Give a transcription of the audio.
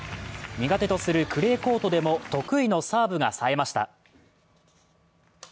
苦手とするクレーコートでも得意のサーブが冴えました。